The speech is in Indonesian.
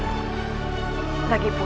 pendekar bintang itu